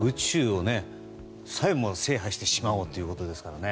宇宙さえも制覇してしまおうということですからね。